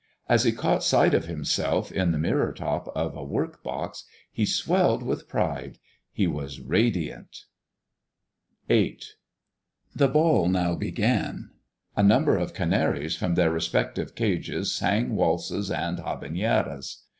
As he caught sight of himself in the mirror top of a work box, he swelled with pride. He was radiant. VIII. The ball now began. A number of canaries from their respective cages sang waltzes and habaneras.